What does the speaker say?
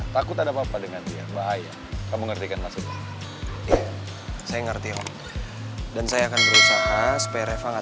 terima kasih ya allah